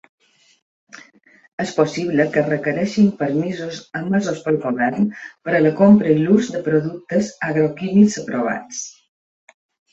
Es possible que es requereixin permisos emesos pel govern per a la compra i l'ús de productes agroquímics aprovats.